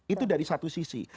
itu dari satu sisi